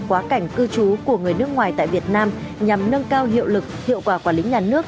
quá cảnh cư trú của người nước ngoài tại việt nam nhằm nâng cao hiệu lực hiệu quả quản lý nhà nước